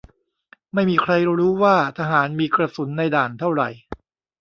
ไม่มีใครรู้ว่าทหารมีกระสุนในด่านเท่าไหร่